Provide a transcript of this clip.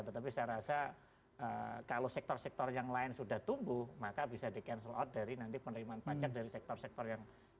tetapi saya rasa kalau sektor sektor yang lain sudah tumbuh maka bisa di cancel out dari nanti penerimaan pajak dari sektor sektor yang lain